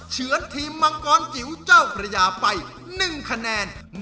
เฉินทีมมังกรจิ๋วเจ้าพระยาไป๑คะแนน